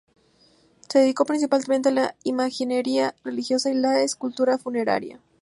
Se dedicó principalmente a la imaginería religiosa y la escultura funeraria.